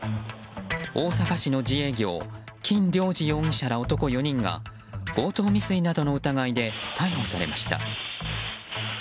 大阪市の自営業金良治容疑者ら男４人が強盗未遂などの疑いで逮捕されました。